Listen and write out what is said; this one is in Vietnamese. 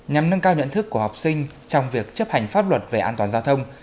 nhằm nâng cao nhận thức của học sinh trong việc chấp hành pháp luật về an toàn giao thông